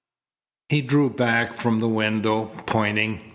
He drew back from the window, pointing.